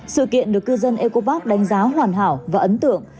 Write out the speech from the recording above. sự kiện được cư dân ecobark đánh giá hoàn hảo và ấn tượng